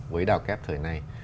với đào kép thời nay